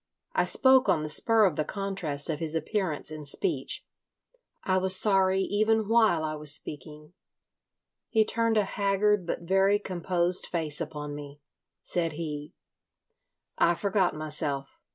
I spoke on the spur of the contrast of his appearance and speech. I was sorry even while I was speaking. He turned a haggard but very composed face upon me. Said he: "I forgot myself.